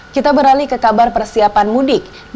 kita beralih ke kabar persiapan mudik